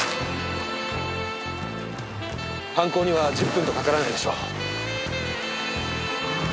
犯行には１０分とかからないでしょう。